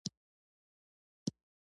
عطایي د ژبې د دودیزو ارزښتونو دفاع کړې ده.